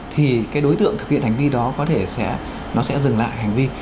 thì cái đối tượng thực hiện hành vi đó có thể sẽ dừng lại hành vi